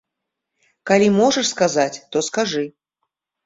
Калі можаш сказаць, то скажы.